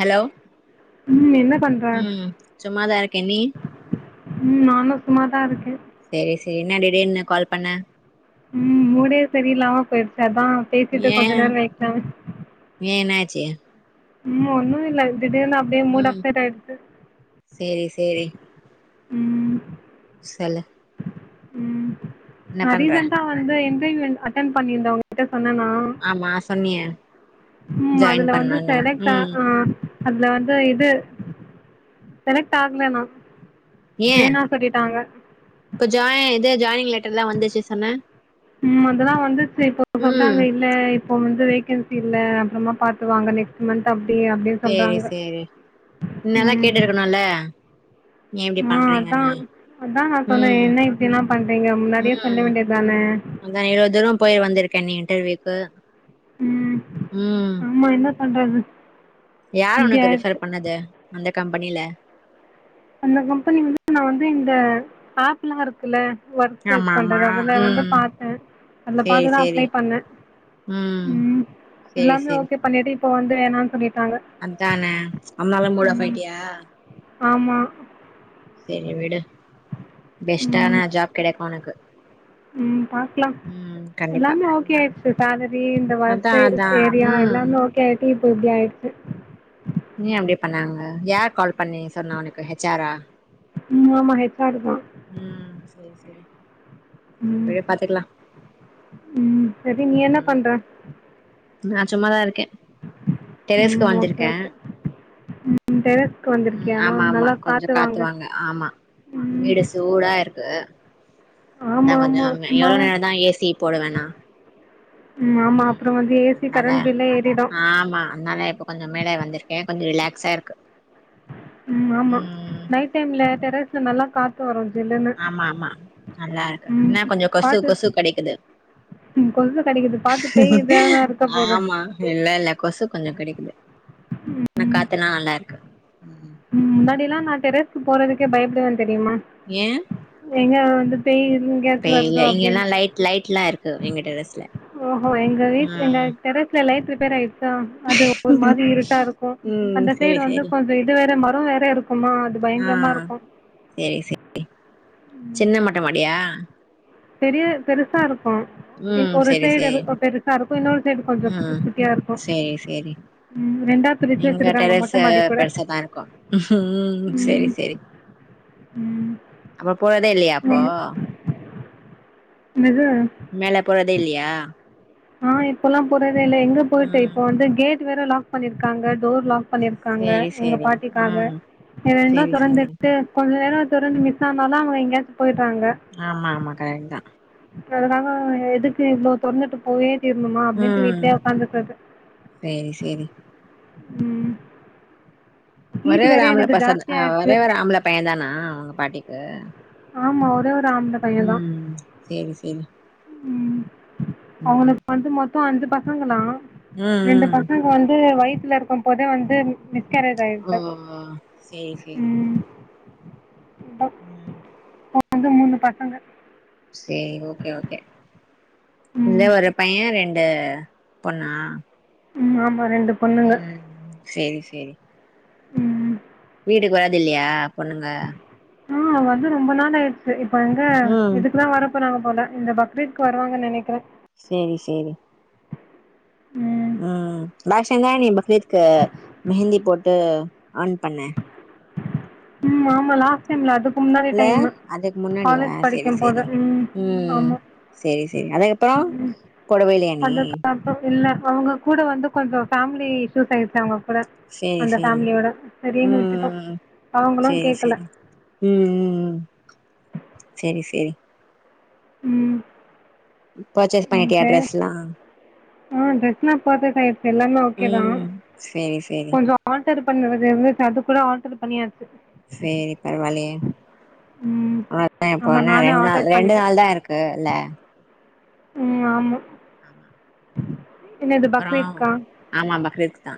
Hello ம் என்ன பண்ற ம் சும்மாதா இருக்க நீ ம் நானு சும்மாதா இருக்க சேரி சேரி என்ன திடீர்னு கால் பண்ண ம் மூடே சரியில்லாம போயிருச் அதா பேசிட்டு ஏ கொஞ்ச நேரொ வைக்லான்னு சே ம் ஒன்னு இல்ல திடீர்னு அப்டே ம் மூடப்ஸட் ஆயிட்ச்சு சேரி சேரி ம் சொல்லு ம் என்ன நா பண்ற ரீசன்ட்டா வந்து இன்டர்வியூன் அட்டன் பண்ணிர்ந்த உங்கிட்ட ஆமா சொன்னியே ம் அதுல ஜாயின் வந்து பண்ணோன்னு செலக்டா ம் ஹா அதுல வந்து இது செலக்ட் ஆகல நா ஏன் வேணா சொல்லிட்டாங்க இப்ப ஜாய் இது ஜாயினிங் லெட்டர்லா வந்துர்ச்சு சொன்ன ம் அதலா வந்துச்சு இப்ப ம் சொல்றாங்க இல்ல இப்போ வ ந்து வேக்கன்சி இல்ல அப்றமா பாத்துவாங்க நெக்ஸ்ட் மந்த் அப் அப்டி அப்டி சேரி சொல்றாங்க சேரி முன்னல்லா ம் கேட்டிருக்கணுல்ல ஏ இப்டி ஆஹ் அதா பண்றீங்கன்னு அதா நா சொன்னே ம் என்ன இப்டியெல்லா பண்றீங்க முன்னாடியே சொல்ல ம் வேண்டியதான அதா எவ்ளோ தூரோ போயி வந்திருக்க நீ இன்டர்வியூக்கு ம் ம் ஆமா என்ன பண்றது யார் இப்படி உனக்கு ஆயிடுச்சு ரெஃபர் பண்ணது அந்த கம்பனில அந்த கம்பனி வந்து நா வந்து இந்த ஆப்லா இருக்குல ஒர்க் சர்ச் ஆமா ஆமா பண்றது அதுல வந்து ம் பாத்த அதுல சேரி பாத்துதா சேரி அப்ளே பண்ண ம் சேரி எல்லாமே சேரி ஓகே பண்ணிட்டு இப்போ வந்து வேணான் சொல்லிட் அதான அனால மூடாஃப் ம் ஆய்ட்டியா ஆமா செரி விடு ம் பெஸ்ட்டான ஜாப் கெடைக்கு ஒனக்கு ம் பாக்லா கண்டிப்பா எல்லாமே ஓகே ம் ஆயிர்ச்சு சேலரி இந்த அதா ஒர்க் அதா ஏரியா ம் எல்லாமே ஓகே ஆயிட்டு இப் இப்டியாய்டுச்சு நீயே எப்டி பண்ணாங்க யார் கால் பண்ணி சொன்ன ஒனக்கு ஹெச்சாரா ம் ஆமா ஹெச்சாருதா உம் செரி செரி செர் ம் விடு பாத்துகுலா செரி நீ என்ன பண்ற நா சும்மாதா இருக்கே டெரேஸ்க்கு ம் ஓகே வந்திருக்கே ஓகே ம் டெரஸ்க்கு ம் வந்திருக்கியா ஆமா ஆமா நல்லா கொஞ்சோ காத்து வாங்க காத்துவாங்க ஆமா ம் வீடு சூடா இருக்கு அதா ஆமா கொஞ்சோ ஆமா நேரமே எவ்ளோ சும்மாவே நேரோந்தா ஏ சி போடுவே நா ம் ஆமா அப்றோ வந்து ஏ சி கரண்ட் பில்லே ஏறிடோ அ அத்னால இப்ப கொஞ்சோ மேலே வந்த்ருக்கே கொஞ்சோ ரிலாக்ஸா இருக்கு ம் ஆமா ம் நைட் டைம்ல டெரஸ்ல நல்லா காத்து வரோம் ஆமா ஆமா நல்லா இருக்கு ம் என்ன கொஞ்சோ கொசு பாத்து கொசு கடிக்குது ம் கொசு கடிக்குது பாத்து பேய் தான இருக்க போது ஆமா இல்ல இல்ல கொசு கொஞ்சோ கடிக்குது இன்ன காத்துலா நல்லா இருக்கு ம் முன்னாடிலா நா டெரஸ்கு போறதுக்கே பயப்படுவே தெரியுமா எங்க வந்து பேய் எங்கயாச்சு பேயு இல்ல வருதோ இங்கலா அப்டின்ட்டு லைட் லைட்லா இருக்கு இங்க டெரெஸ்ல ஓஹோ எங்க வீட் எங்க டெரெஸ்ல லைட் ரிப்பேர் ஆய்ருச் சா அது ஒருமாரி இருட்டா இருக்கோ ம் அந்த சைடு சேரி வந்து சேரி கொஞ்சோ இதுவேற மரோ வேற இருக் குமா அது ஆ பயங்கரமா இருக்கோ சேரி சேரி ம் சின்ன மொட்ட மாடியா பெரிய பெருசா இருக் கோ ம் ஒரு சேரி சேய்டு எது சேரி பெருசா இருக்கோ இன்னோரு சேய்டு கொஞ்சோம் ம் குட் குட்டியா இருக்கோ சேரி சேரி ம் ரெண்டா பிரிச்சு எங்க வெச்சிருக்காங்க டெரஸ்ஸு மொட்டமாடி கூட பெருசாதா இருக்கு ம் ம் அப்போ போறதே இல்லையா அப்போ என்னத் மேல போறதே இல்லையா ஆ இப்பலா போறதே இல்ல எங்க போயிட்டு ம் இப்ப வந்து கேட் வேற லாக் பண்ணிருக்காங்க டோர் லாக் பண்ணிருக்காங்க சேரி எங்க சேரி பாட்டிக்காக ம் இங்க ரெண்டோ சேரி சேரி தொறந்துட்டு கொள்ள கதவ தொறந்து மிஸ் ஆனாலோ அவுங்க எங்கயாச்சு ஆமா ஆமா கரெக்ட்டு தா அதனால எதுக்கு இவ்ளோ தொறந்துட்டு போயி தீர்னுமா அப்டின்ட்டு ம் வீட்லயே ஒக்காந்துக்கறது சேரி சேரி ம் ஹீட் ஒரே ஒரு வேற ஆம்பள எனக்கு பசங்க அ ஜாஸ்தியாயிடுச்சு ஒரே ஒரு ஆம்பள பையந்தானா உங்க பாட்டிக்கு ஆமா ஒரே ஒரு ஆம்பள பையன் தான் ம்ம் சேரி சேரி ம் அவுங்குளுக்கு வந்து மொத்தோ அஞ்சு பசங்களா ம் ரெண்டு ம் பசங்க வந்து வயித் துல இருக்கும்போதே வந்து மி மிஸ்கரேஜ் ஓ ஆயிடுச்சா சேரி சேரி ம் இப்ப ம் இப்ப வந்து மூணு பசங்க செரி ஓகே ஓகே இல்ல ம் ஒரு பைய ரெண்டு பொண்ணா ம் ஆமா ரெண்டு பொண்ணுங்க ம் சேரி சேரி ம் வீட்டுக்கு வரதுல்லையா பொண்ணுங்க அ வந்து ரொம்ப நாளாயிருச்சு இப்ப எங்க ம் இதுக்குலா வர போறாங்க போல இந்த பக்ரீ்த்க்கு வருவாங்க நெனைக்கறே சேரி சேரி ம் ம் [unintelligible] நீ பக்ரீத்க்கு மெஹந்தி போட்டு ஆன் பண்ண ம் ஆமா லாஸ்ட் டைம்ல அதுக் கு முன்னாடி இல்ல டைமு அதுக்கு முன்னாடியா காலேஜ் சேரி படிக்கம் போது சேரி ம் ம் ஆமா சேரி செரி அதா எப்போ ம் கோடவே இல்லயா நீ அவுங்க கூட வந்து கொஞ்சொ ஃபேமிலி இஷ்யூஸ் ஆய்ருச்சு அவங்க கூட சேரி அந்த சேரி ஃபேமிலியோட சரினு விட்டுட்டோ. அவங்களு செரி கேக்கல செரி ம் ம் இ செரி ம் ம் பர்ச்சேஸ் ம் பண்ணிட்டியா சரி ட்ரெஸ்லா ஆ டிரஸ்ல்லா பெர்பக்ட்டா எடுத்துட்டே எல்லாமே ஓகேதா ம் சேரி சேரி கொஞ்சோ ஆல்டரு பண்ணுறது வந்துட் அது கூட ஆர்டர் பண்ணியாச் சேரி பரவால்லியே ம் ஆ அதா எப்ப ஆமா என்ன நானே ரெண்டு நாள் ஆல்டர் ரெண்டு பண்ணிட்டே நாள் தான இருக்கு இல்ல ம் ஆமா ஆமா என்னது அப்புறோ பக்ரீத்க்கா ஆமா பக்ரீத்க்கு தா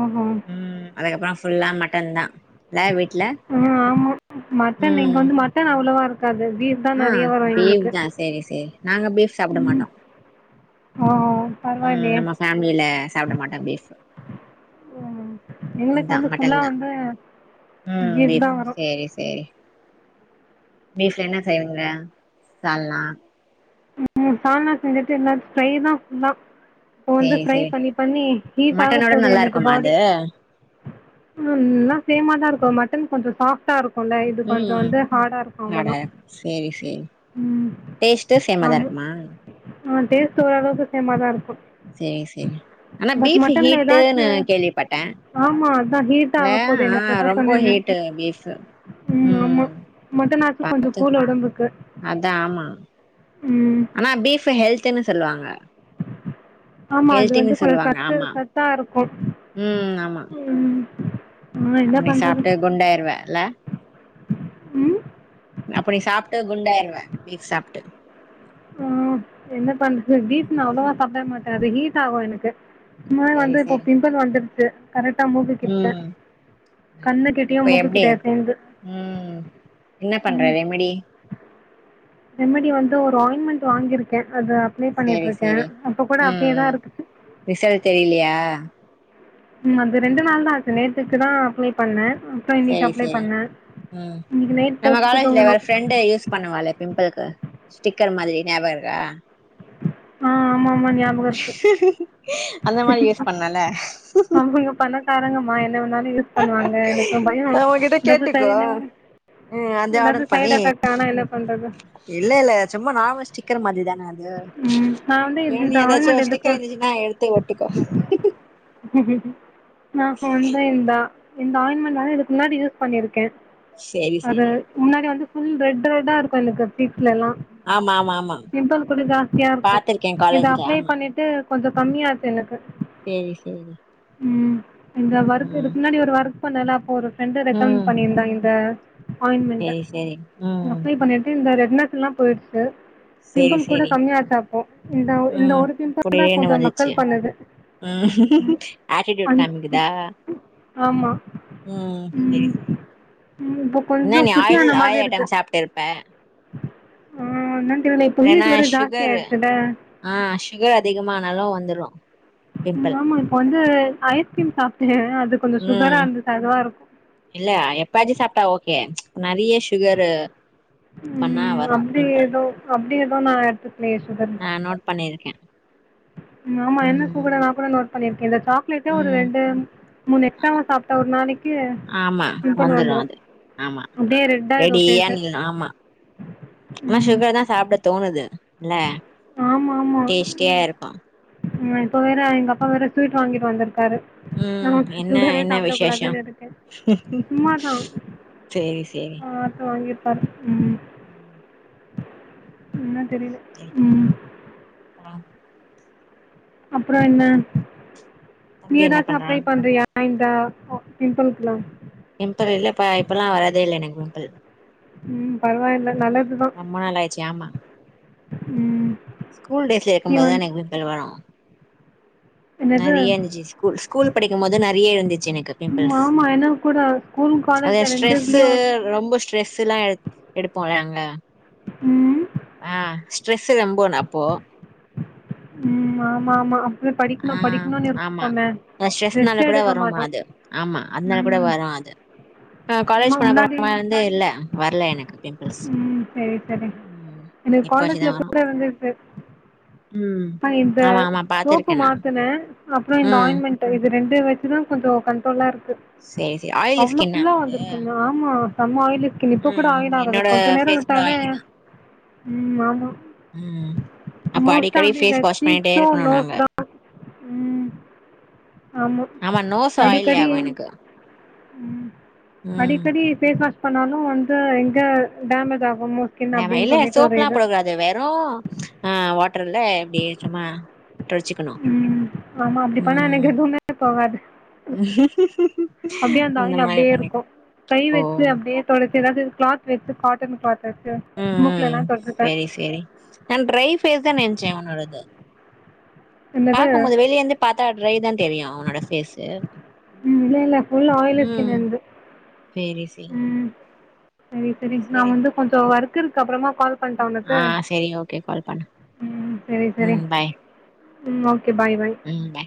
ம்ஹும் ம் அதுக்கப்புறோ ஃபுல்லா மட்டன்தா ம் ஆமா மட்டன்தா இங்க ம் வந்து மட்டன் அவ்ளவா இருக் காது பீஃப்தா ஆ நெறைய வரு பீஃப் எங்களுக்கு தா சேரி சேரி நாங்க பீஃப் ம் சாப்டமாட்டோ. ஓ ம் பரவாயில்லையே நம்ம ஃபேமிலில சாப்டமாட்டோ பீஃப் ம் எங்களுக்கு இதா வந்து மட்டன்தா ஃபுல்லாக வந்து ம் பீஃப் தான் வரும் சேரி சேரி பீஃப்ல என்ன செய்வீங்க சால்னா ம் சால்னா செஞ்சுட்டு எல்லா ஃப்ரை தா ஃபுல்லா இப்ப வந்து சேரி ஃப்ரை சேரி பண்ணி பண்ணி ஹீட் ஆக மட்டனோட போது நல்லா எனக்கு இருக்குமா பாடி அது எல்லா சேமாதா இருக்கூ மட்டன் கொஞ்சோ சாஃப்டா இருக் குல்ல இது கொஞ்சோ ம் வந்து ஹார்டா இருக்கு அட அவ்ளோதா ம் டேஸ் சேமாதா ஆமாம் இருக்குமா? ஆ டேஸ்ட் ஓரளவுக்கு சேமாதா இருக்கு சேரி சேரி ஆனா பட் பீஃப் மட்டன்ல ஹீட்டுன்னு எதாச்சு கேள்விப்பட்டே ஆமா நா ஹீட் இல்ல ஆக போது ஆ எனக்குதா ரொம்ப சொன்னேன ஹீட்டு பீஃபு ம் ஆமா மட்டனாச்சு கொஞ்சோ பாத்து கூல் ஒடம்புக்கு அதா ஆமா ம் ஆனா பீஃப் ஹெல்த்துன்னு சொல்லுவாங்க. ஆமா அது வந்து ஹெல்த்தின்னு கொஞ்சோ சொல்லுவாங்க சத்து ஆமா சத்தா இருக்கு ம், ஆமா. ம் ஆ அப்ப என்ன நீ பண்றது சாப்ட்டு குண்டாயிருவ இல்ல ம் அப்ப நீ சாப்ட்டு குண்டாய்ருவே பீஃப் சாப்ட்டு ஆ என்ன பண்றது பீஃப் ம் நா அவ்ளோவா சாப்ட மாட்டே அது ஹீட் ஆகும் எனக்கு சும்மாவே செரி வந்து இப்போ செரி பிம்பிள் வந்துருச்சு கரெக்டா மூக்கு கிட்ட ம் கண்ணு கிட்டயு இப்ப மூக்கு எப்டி கிட்டயு சேந்து ம் என்ன பண்ற ம் ரெமடி ரெமடி வந்து ஒரு ஆயின்மெண்ட் வாங்கிருக்கே அது அப் ப்ளே செரி பண்ணிட்டுருக்கே செரி அப்ப கூட ம் அப்டியேதா ம் இருக்குது ரிசல்ட் தெரிலையா ம் அந்து ரெண்டு நாள்தா ஆச்சு நேத்துக்குதா அப்ளே பண்ணே இப்ப இன்னைக்கி செரி அப்ளே செரி பண்ணே ம் நம்ம காலேஜ்ல வேற ஃப்ரெண்டு யூஸ் பண்ணுவாலே பிம்பிள்க்கு ஸ்டிக்கர் மாதிரி நியாபக இருக்கா? ஆ ஆமாமா ஞாபகம் இருக்கு அந்த மாரி யூஸ் பண்ணல தம்பிங்க பணக்காரங்கம்மா எத வேணாலு யூஸ் பண்ணுவாங்க எனக்கு ஒரு பயோ அவங்ககிட்ட கேட்டுக்கோ [unintelligible] ம் அது என்னாது ஆர்டர் சைடு் பண்ணி எஃபெக்ட் ஆனா என்ன பண்றது ஏ நீ இந்த ஏதாச்சு ஆயின்மெண்ட் ஒரு எதுக்கு ஸ்டிக்கர் இருந்துச்சுன்னா எடுத்து ஒட்டிக்கோ நா [unintelligible] இந்த ஆயின்மெண்ட் இதுக்கு முன்னாடி யூஸ் பண்ணிருக்க சேரி அது சேரி முன்னாடி வந்து ஃபுல் ரெட் ரெட்டா இருக்கு எனக்கு ஃபேஸ்லலா ஆமா ஆமா ஆமா பிம்பிள் கொஞ்சோ ஜாஸ் தியா இருக்கு பாத்திருக்கே இத காலேஜ்ல அப்ளே ஆமா பண்ணிட்டு கொஞ்சோ கம்மியாச்சு எனக்கு சேரி சேரி ம் இந்த ஒர்க் ம் இதுக்கு முன்னாடி ஒரு ஒர்க் பண்ணேல அப்போ ஒரு ஃப்ரெண்ட ரெக்கமெண்ட் ம் பண்ணியிருந்தா இந்த ஆயின்மெண்ட்டு சேரி சேரி ம் அப்ளே பண்ணிட்டு இந்த ரெட்னஸ்லா போயிருச்சு சேரி சேரி கம்மியாச்சு அப்போ இந்த இந்த ம் ஒரு பிம்பிள்தா புடின்னு கொஞ்சோ வந்துச்சு மக்கல் பண்ணுது ம் ஆட்டிட்யூட் அந் காமிக்குதா ஆமா ம் சேரி சேரி ம் இப்போ என்ன கொஞ்சோ நீ ஆயில் குட்டியான மாதிரி ஆயில் இருக்கு ஐட்டம் சாப்ட்டுருப்ப ஆ என்னென் தெர்ல இப்போ [unintelligible] ஜாஸ் சுகரு ஆ ஷுகர் அதிகமானாலு வந்துரு ம் பிம்பிள் ஆமா இப்ப வந்து ஐஸ்கிரீம் சாப்ட்ட ம் இல்ல எப்பாச்சு சாப்ட்டா ஓகே நெறைய சுகரு ம் அப்டி ஏதோ அப்டி ஏதோ நா எடுத்துக் நா நோட் பண்ணியிருக்க ம் ஆமா என்னக்கு கூட நா கூட நோட் பண்ணிருக்க இந்த சாக்லேட்டே ஒரு ம் ரெட்டு மூனு எக்ஸ்ட்ராவா சாப்ட்டா ஒரு நாளைக்கு ஆமா பிம்ப்பிள் வந்துரு அது ஆமா அப்டியே ரெட் ஆயிடு ரெடியா ஃபேஸு நீ ஆமா ஆனா ம் சுகர்தா சாப்புடக் தோணுது இல்ல ஆமா ஆமா டேஸ்ட்டியா இருக்கும் ம் இப்ப வேற எங்க அப்பா வேற ஸ்வீட் வாங்கிட்டு வந்திருக் காரு ம் நமக்கு என்ன சுகரே என்ன சாப்புடக் விசேஷோ கூடாதுன்னு இருக்கு சும்மாதா சேரி சேரி ஆ அது வாங்கிருகாரு ம் என்ன தெரியல ம் ஆ அப்புறம் என்ன நீ தம்பி என்ன ஏதாச்சும் பண்றா அப்ளை பண்றியா இந்த பிம்ப்பிளுக்குலா பிம்ப்பிள் இல்லப்ப இப்பல்லா வரதே இல்ல எனக்கு பிம்ப்பிள் ம் பரவாயில்ல நல்லதுதா நாள் ஆயிடுச்சு ஆமா ம் ஸ்கூல் டேஸ்ல இருக்கும் நீ போதுதா வந் எனக்கு பிம்ப்பிள் வரு என்னது நெறைய இருந்துச்சு ஸ்கூல் ஸ்கூல் படிக்கும் போது நெறைய இருந்துச்சு எனக்கு ம் பிம்ப்பிள்ஸ் ஆமா எனக்கு கூட ஸ்கூல் அதா காலேஜ்ல ரெண்டு ஸ்ட்ரெஸ்ஸு இதுலயு ரொம்ப ஸ்ட்ரெஸ்ஸுல்லா எடுத் எடுப்போல அங்க ம் ஆ ஆ ஸ்ட்ரெஸ்ஸு ரொம்போ அப்போ ம் ஆமா ஆமா அப்பவே படிக்கணும் படிக்கணுன்னு இருக்குப்போம அதா ஸ்ட்ரெஸ்னால கூட வரும்மா அது ஆமா அதனால கூட ம் வரும் அது நா ஆமா காலேஜ் முன்னாடி பண்ணப்பறமா இருந்து இல்ல வர்ல எனக்கு பிம்ப்பிள்ஸ் ம் சரி சரி எனக்கு காலேஜ்ல கூட வந்துருக்கு ம் நா இந்த ஆமா ஆமா சோப்பு பாத்துருக்கே நா மாத்துன அப்புற இந்த ம் ஆயின்மெண்ட்டு இது ரெண்டு வச்சுதா கொஞ்ச கண்ட்ரோலா இருக்கு சேரி சேரி ஆயிலி அவ்ளோ ஸ்கின்னா ஃபுல்லா வந்து வந்துருக்கு ஆமா செம்ம ஆயிலு க்கு இப்ப கூட ம் ஆயில் ஆகுது என்னோட கொஞ் நேர ஃபேஸ் கூட விட்டாலே ஆயிலி தா ம் ஆமா ம் அப்ப மோஸ்ட்டா அடிக்கடி வந்து இந்த ஃபேஸ் வாஷ் பண்ணிட்டே ஸ்னீக்கு இருக்கணு நாங்க நோஸ்தா ம் ஆமா நோஸ் அடி ஆயிலி கடி ஆகு எனக்கு ம் ம் அடிக்கடி ஃபேஸ் வாஷ் பண்ணாலு வந்து எங்க டேமேஜ் ஆ நம இல்ல சோப்லா போடக்கூடாது வெறு ஆஹ் வாட்டர்ல இப்டி சும்மா தொடச்சிக்கணு ம் ஆமா அப்டி பன்னா ம் எனக்கெதுமே போகாது அப்டியே அந்த ஆயில் மாரி அப்டியே பண்ணி இருக்கு கை ஓ வெச்சு அப்டியே தொடச்சு எதாது கிளாத் வெச்சு காட்டன் க்ளாத் ம் ம் சேரி சேரி நா ட்ரை ஃபேஸ் தா நென்ச்சே உன்னோடது என்னது பாக்கும்மோது வெளியேந்து பாத்தா ட்ரை தா தெரியு ஒன்னோட ஃபேசு ம் இல்ல இல்ல ஃபுல் ஆய்லு ஸ்கின் என்து சேரி சேரி ம் சரி சரி நா சேரி வந்து கொஞ்சோ வர்க் இருக்கு அப்றமா கால் பண்ட்டா ஒனக்கு ஆ சேரி ஓகே கால் பண்ணு ம் சரி சரி ம் பாய் ம் ஓகே பாய் பாய் ம் பாய்